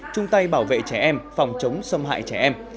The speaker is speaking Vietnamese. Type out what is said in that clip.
chung tay bảo vệ trẻ em phòng chống xâm hại trẻ em